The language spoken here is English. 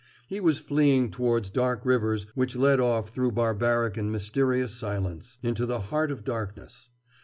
He was fleeing towards dark rivers which led off through barbaric and mysterious silence, into the heart of darkness.